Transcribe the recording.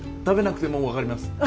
食べなくてもわかります。